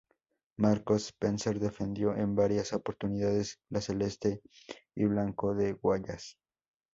Marcos Spencer defendió en varias oportunidades la celeste y blanco de Guayas.